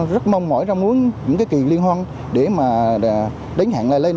rất mong mỏi ra muốn những cái kỳ liên hoan để mà đánh hạn lại đây